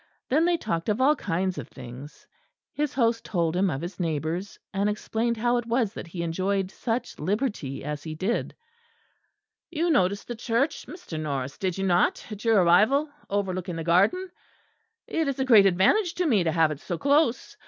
Then they talked of all kinds of things. His host told him of his neighbours; and explained how it was that he enjoyed such liberty as he did. "You noticed the church, Mr. Norris, did you not, at your arrival, overlooking the garden? It is a great advantage to me to have it so close.